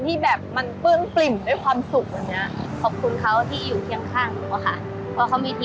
๔ปีผ่านไปวางเงินดาวน์ที่สื้อบ้าน๑ล้านบาท